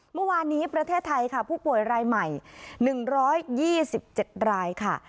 เมื่อวานนี้ประเทศไทยค่ะผู้ป่วยรายใหม่๑๒๗รายค่ะ